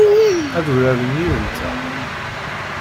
Ad uraren yid-nteɣ?